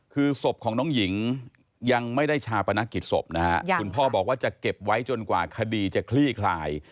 คือศพของน้องหญิงยังไม่ได้ชาปนกิจศพนะฮะคุณพ่อบอกว่าจะเก็บไว้จนกว่าคดีจะคลี่คลาย